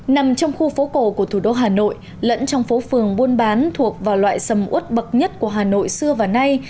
nằm trong khu phố cổ của thủ đô hà nội lẫn trong phố phường buôn bán thuộc vào loại sầm út bậc nhất của hà nội xưa và nay